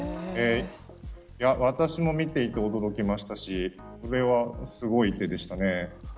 私も見ていて驚きましたしこれはすごい手でしたね。